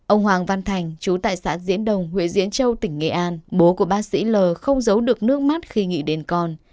ông hoàng văn thành chú tại xã diễn đồng huyện diễn châu tỉnh nghệ an bố của bác sĩ l không giấu được nước mắt khi nghĩ đến con